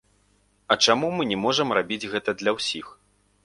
А чаму мы не можам рабіць гэта для ўсіх?